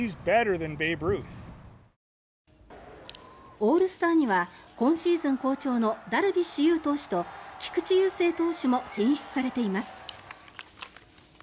オールスターには今シーズン好調のダルビッシュ有投手と菊池雄星投手も選出されています。